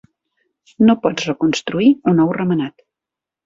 No pots reconstruir un ou remenat.